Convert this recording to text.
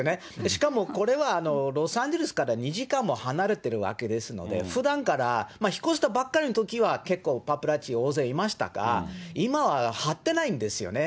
しかもこれは、ロサンゼルスから２時間も離れてるわけですので、ふだんから、引っ越したばかりのときは結構パパラッチ、大勢いましたが、今は張ってないんですよね。